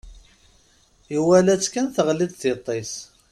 Iwala-tt kan, teɣli-d tiṭ-is.